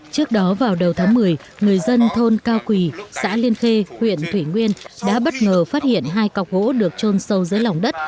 trước đó vào đầu tháng một mươi người dân thôn cao quỳ xã liên khê huyện thủy nguyên đã bất ngờ phát hiện hai cọc gỗ được trôn sâu dưới lòng đất